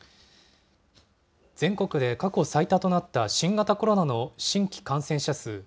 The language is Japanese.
全国で過去最多となった新型コロナの新規感染者数。